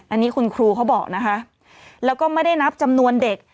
อันนี้คุณครูเขาบอกนะคะแล้วก็ไม่ได้นับจำนวนเด็ก